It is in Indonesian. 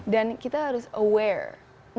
dan kita harus aware